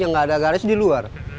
yang nggak ada garasi di luar